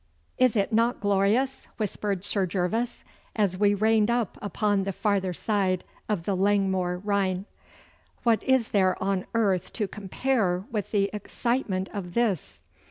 'Is it not glorious?' whispered Sir Gervas, as we reined up upon the further side of the Langmoor Rhine. 'What is there on earth to compare with the excitement of this?